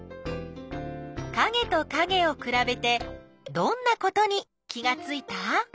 かげとかげをくらべてどんなことに気がついた？